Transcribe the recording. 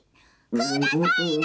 「ください。